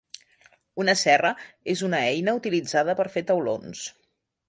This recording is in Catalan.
Una serra és una eina utilitzada per fer taulons.